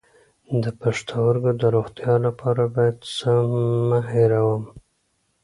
د پښتورګو د روغتیا لپاره باید څه مه هیروم؟